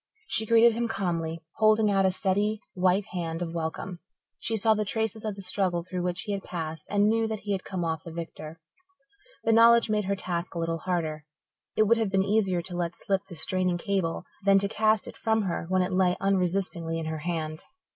She greeted him calmly, holding out a steady, white hand of welcome. She saw the traces of the struggle through which he had passed and knew that he had come off victor. The knowledge made her task a little harder. It would have been easier to let slip the straining cable than to cast it from her when it lay unresistingly in her hand.